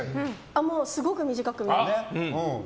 もう、すごく短く見えます。